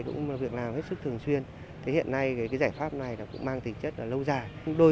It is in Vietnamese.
cũng là việc làm hết sức thường xuyên hiện nay giải pháp này cũng mang tính chất lâu dài đôi